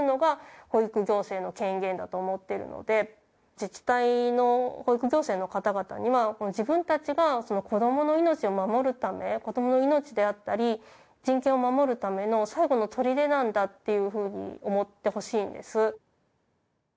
自治体の保育行政の方々には自分たちが子どもの命を守るため子どもの命であったり人権を守るための最後の砦なんだっていうふうに思ってほしいんです。